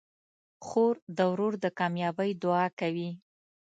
خور د ورور د کامیابۍ دعا کوي.